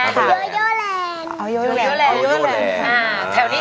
โยโยแลนด์